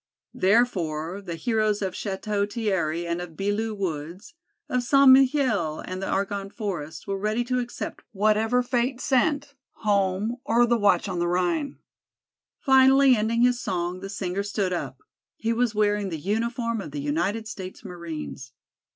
Therefore the heroes of Château Thierry and of Belleau Woods, of St. Mihiel and the Argonne Forest were ready to accept whatever fate sent, "Home," or "The Watch on the Rhine." Finally ending his song the singer stood up; he was wearing the uniform of the United States Marines.